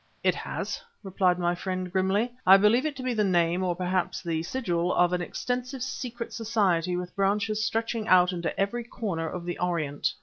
"It has," replied my friend grimly. "I believe it to be the name, or perhaps the sigil, of an extensive secret society with branches stretching out into every corner of the Orient."